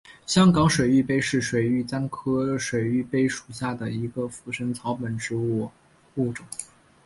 香港水玉杯是水玉簪科水玉杯属下的一个腐生草本植物物种。